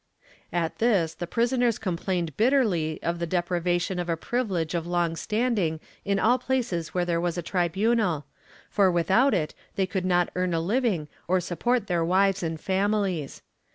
At this the prisoners complained bitterly of the deprivation of a privilege of long standing in all places where there was a tribunal, for without it they could not earn a living or support their wives and famihes.